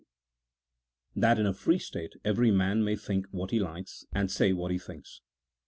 THAT IN A FREE STATE EVERT MAN MAT THINK WHAT HE LIKES, AND SAT WHAT HE THINKS.